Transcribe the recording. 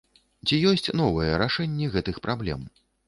І ці ёсць новыя рашэнні гэтых праблем?